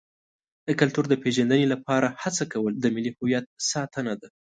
د کلتور د پیژندنې لپاره هڅه کول د ملي هویت ساتنه ده.